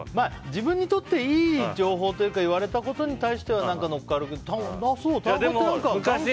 自分にとって、いい情報とか言われたことに対しては乗っかるけど、あ、そうなんだ。